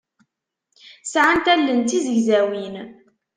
Sɛant allen d tizegzawin.